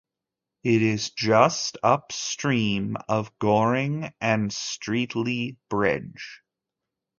It is just upstream of Goring and Streatley Bridge.